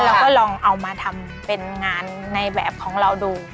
เราก็ลองเอามาทำเป็นงานในแบบของเราดู